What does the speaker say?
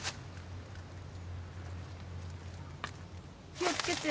気をつけて。